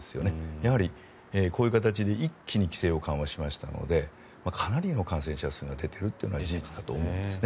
やはり、こういう形で一気に規制を緩和しましたのでかなりの感染者数が出ているというのが事実だと思うんですね。